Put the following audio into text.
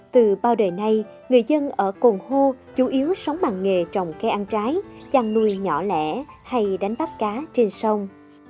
từ bao đời nay người dân ở cồn hô chủ yếu sống bằng nghề trồng cây ăn trái chăn nuôi nhỏ lẻ hay đánh bắt cá trên sông